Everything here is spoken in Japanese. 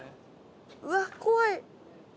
うわっ怖い。